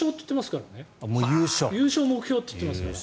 優勝目標と言ってますから。